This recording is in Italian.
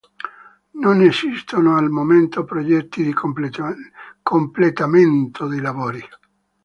Non esistono al momento progetti di completamento dei lavori.